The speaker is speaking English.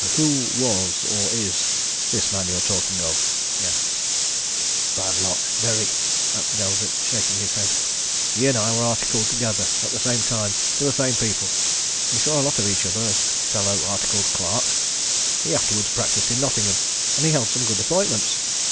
"Who was or is this man you're talking of?" he asked. "Bad lot very!" answered Eldrick, shaking his head. "He and I were articled together, at the same time, to the same people: we saw a lot of each other as fellow articled clerks. He afterwards practised in Nottingham, and he held some good appointments.